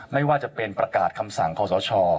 ไม่ว่าจะเป็นประกาศคำสั่งขอสช